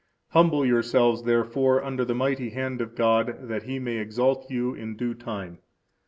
Humble yourselves, therefore, under the mighty hand of God that He may exalt you in due time.